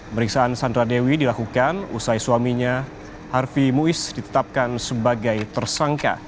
meriksaan sandra dewi dilakukan usai suaminya harfi muiz ditetapkan sebagai tersangka